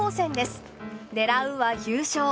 狙うは優勝。